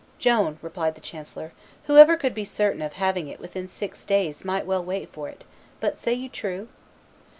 "Joan," replied the chancellor, "whoever could be certain of having it within six days might well wait for it; but say you true?"